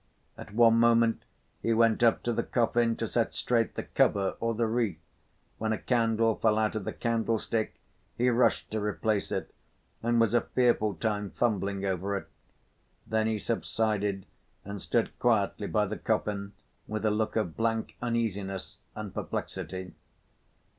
At one moment he went up to the coffin to set straight the cover or the wreath, when a candle fell out of the candlestick he rushed to replace it and was a fearful time fumbling over it, then he subsided and stood quietly by the coffin with a look of blank uneasiness and perplexity.